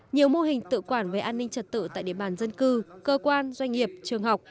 nhiều mô hình tự quản về an ninh trật tự tại địa bàn dân cư cơ quan doanh nghiệp trường học